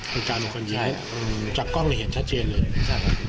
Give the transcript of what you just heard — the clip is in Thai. คนกลางเป็นคนยิงจากกล้องเห็นชัดเจนเลย